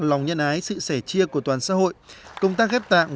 lòng nhân ái sự sẻ chia của toàn xã hội công tác ghép tạng